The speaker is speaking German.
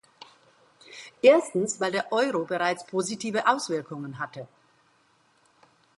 Erstens, weil der Euro bereits positive Auswirkungen hatte.